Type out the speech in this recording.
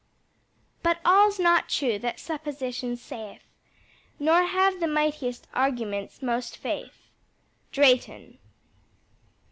"But all's not true that supposition saith, Nor have the mightiest arguments most faith." DRAYTON.